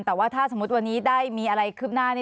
แต่ว่าถ้าสมมุติวันนี้ได้มีอะไรคืบหน้า